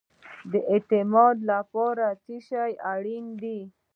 د اعتماد لپاره څه شی اړین دی؟